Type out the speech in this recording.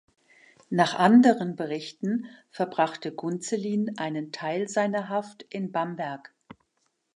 Nach anderen Berichten verbrachte Gunzelin einen Teil seiner Haft in Bamberg.